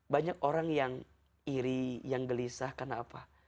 banyak orang yang iri yang gelisah karena apa